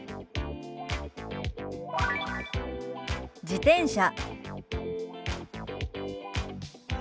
「自転車」。